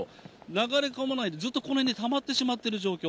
流れ込まないでずっとこの辺にたまってしまっている状況。